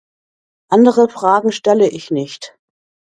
Andere Fragen stelle ich nicht.